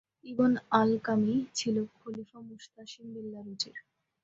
ইবন আলকামী ছিল খলীফা মুসতাসিম বিল্লাহর উযীর।